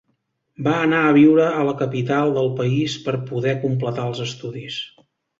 Va anar a viure a la capital del país per poder completar els estudis.